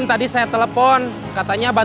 tak ada apa apaan lah